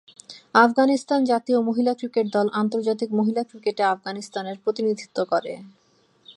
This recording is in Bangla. আফগানিস্তান জাতীয় মহিলা ক্রিকেট দল আন্তর্জাতিক মহিলা ক্রিকেটে আফগানিস্তানের প্রতিনিধিত্ব করে।